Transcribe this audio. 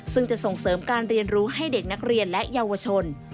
ซึ่งจะส่งเสริมการเรียนรู้ให้เด็กนักเรียนและเยาวชน